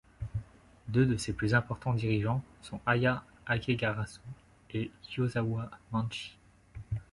Deux de ses plus importants dirigeants sont Haya Akegarasu et Kiyozawa Manshi.